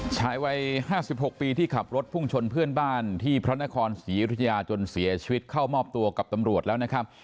ชายวัย๕๖ปีที่ขับรถพุ่งชนเพื่อนบ้านที่พระนครศรียุธยาจนเสียชีวิตเข้ามอบตัวกับตำรวจแล้วนะครับ